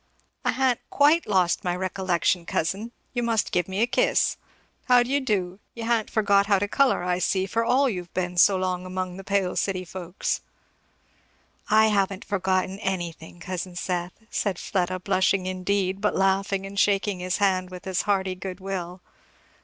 "I ha'n't quite lost my recollection. Cousin, you must give me a kiss. How do you do? You ha'n't forgot how to colour, I see, for all you've been so long among the pale city folks." "I haven't forgotten any thing, cousin Seth," said Fleda, blushing indeed but laughing and shaking his hand with as hearty good will.